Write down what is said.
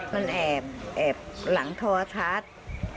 มันแอบแอบหลังทวทัศน์